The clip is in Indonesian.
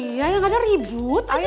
iya yang ada ribut aja berdua